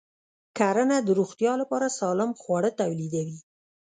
کرنه د روغتیا لپاره سالم خواړه تولیدوي.